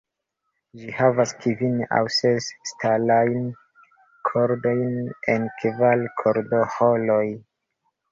Ĝi havas kvin aŭ ses ŝtalajn kordojn en kvar kordoĥoroj.